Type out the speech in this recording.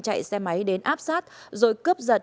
chạy xe máy đến áp sát rồi cướp giật